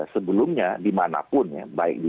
sebelumnya dimanapun ya baik